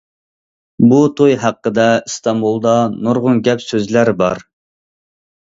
بۇ توي ھەققىدە ئىستانبۇلدا نۇرغۇن گەپ- سۆزلەر بار.